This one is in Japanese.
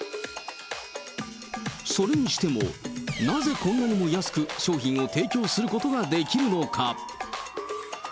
それにしても、なぜ、こんなにも安く商品を提供することができるのか。